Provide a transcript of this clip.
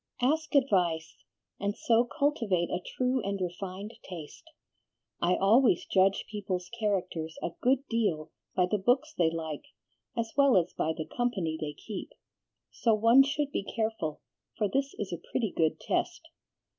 "Ask advice, and so cultivate a true and refined taste. I always judge people's characters a good deal by the books they like, as well as by the company they keep; so one should be careful, for this is a pretty good test.